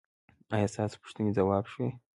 ایا ستاسو پوښتنې ځواب شوې؟